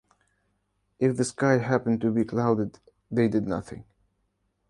If the sky happened to be clouded, they did nothing.